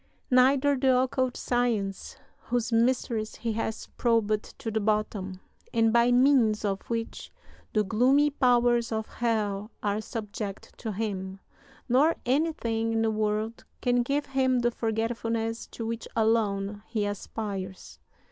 Neither the occult science, whose mysteries he has probed to the bottom, and by means of which the gloomy powers of hell are subject to him, nor anything in the world can give him the forgetfulness to which alone he aspires.